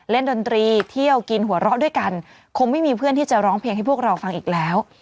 ดนตรีเที่ยวกินหัวเราะด้วยกันคงไม่มีเพื่อนที่จะร้องเพลงให้พวกเราฟังอีกแล้ว